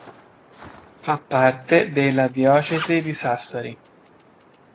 Fa parte della diocesi di Sassari.